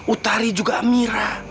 utari juga amira